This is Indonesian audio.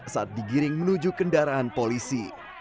saat digiring menuju kendaraan polisi